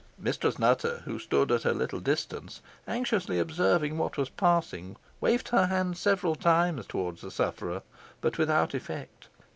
Mistress Nutter, who stood at a little distance, anxiously observing what was passing, waved her hand several times towards the sufferer, but without effect.